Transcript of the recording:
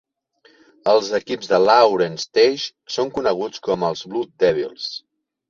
Els equips de Lawrence Tech són coneguts com els Blue Devils.